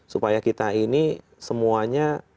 supaya kita ini semuanya